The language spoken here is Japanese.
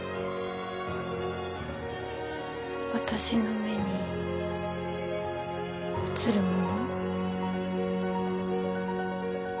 私の目に映るもの。